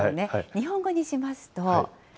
日本語にしますと。